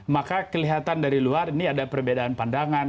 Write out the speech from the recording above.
maka kelihatan dari luar ini ada perbedaan pandangan